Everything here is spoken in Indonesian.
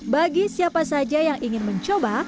bagi siapa saja yang ingin mencoba